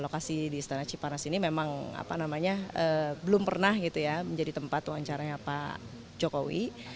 kami sangat bernah menjadi tempat wawancaranya pak jokowi